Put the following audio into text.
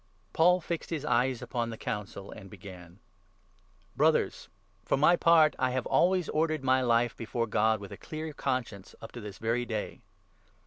Paul fixed his eyes upon the i Council, and began :" Brothers, for my part, I have always ordered my life before God, with a clear conscience, up to this very day.